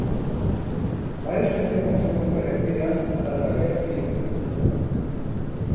Varias escenas son muy parecidas a las de aquel film.